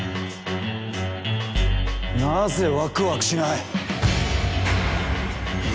なぜワクワクしない。